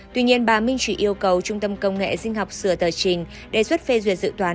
tuy nhiên bà minh chỉ yêu cầu trung tâm công nghệ sinh học sửa tờ trình đề xuất phê duyệt dự toán